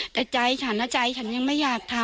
แต่ใจฉันนะใจฉันยังไม่อยากทำ